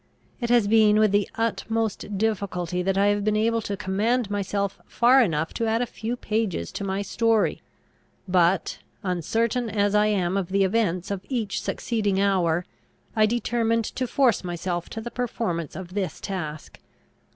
It has been with the utmost difficulty that I have been able to command myself far enough to add a few pages to my story. But, uncertain as I am of the events of each succeeding hour, I determined to force myself to the performance of this task.